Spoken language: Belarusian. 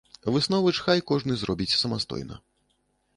Высновы ж хай кожны зробіць самастойна.